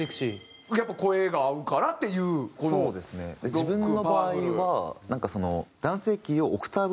自分の場合はなんかその。